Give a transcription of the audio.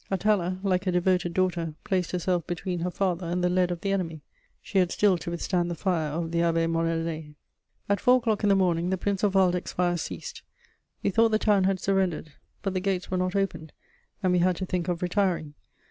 Atala, like a devoted daughter, placed herself between her father and the lead of the enemy: she had still to withstand the fire of the Abbé Morellet. At four o'clock in the morning, the Prince of Waldeck's fire ceased: we thought the town had surrendered; but the gates were not opened, and we had to think of retiring.